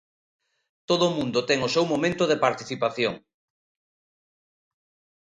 Todo o mundo ten o seu momento de participación.